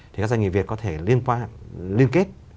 thì các doanh nghiệp việt có thể liên kết